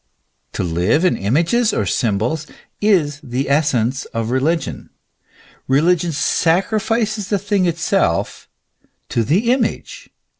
To live in images or symbols, is the essence of religion. Religion sacrifices the thing itself to the image.